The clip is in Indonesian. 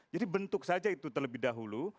jadi bentuk saja itu terlebih dahulu